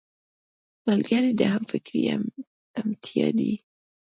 ملګری د همفکرۍ همتيا دی